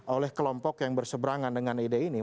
oleh kelompok yang berseberangan dengan ide ini